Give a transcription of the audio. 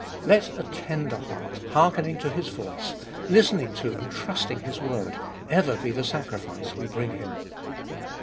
Let a tender heart, hearkening to His voice, listening to and trusting His word, ever be the sacrifice we bring Him.